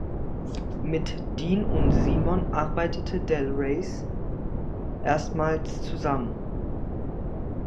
Mit Dean und Simon arbeitete Del Reys erstmals zusammen.